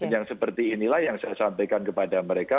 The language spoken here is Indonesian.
yang seperti inilah yang saya sampaikan kepada mereka